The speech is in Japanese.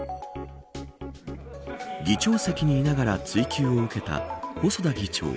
議長席にいながら追及を受けた細田議長。